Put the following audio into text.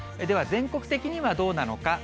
では、全国的にはどうなのか。